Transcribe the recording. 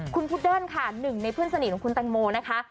คุณพุดเดิ้ลค่ะหนึ่งในเพื่อนสนิทของคุณแตงโมนะคะ